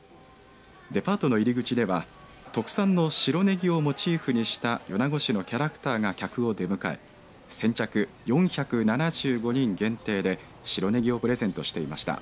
デパートの入り口では特産の白ネギをモチーフにした米子市のキャラクターが客を出迎え先着４７５人限定で白ネギをプレゼントしていました。